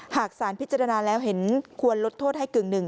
หากสารพิจารณาแล้วเห็นควรลดโทษให้กึ่งหนึ่ง